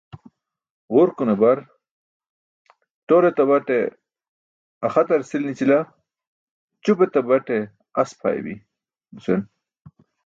Ġurqune bar "ṭor etabaṭe axtar cʰil nićila, ćup etabaṭe as pʰaaybi nuse.